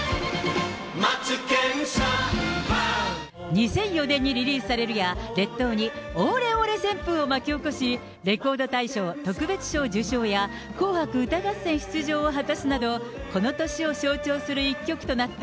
２００４年にリリースされるや、列島にオーレオーレ旋風を巻き起こし、レコード大賞特別賞受賞や、紅白歌合戦出場を果たすなど、この年を象徴する一曲となった